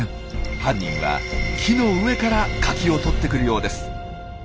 犯人は木の上からカキをとってくるようです。